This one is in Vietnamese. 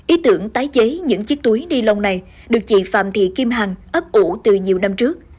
ý tưởng tái chế những chiếc túi ni lông này được chị phạm thị kim hằng ấp ủ từ nhiều năm trước